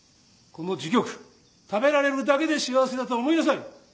この時局食べられるだけで幸せだと思いなさい。